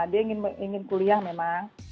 dia ingin kuliah memang